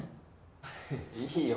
いいよ。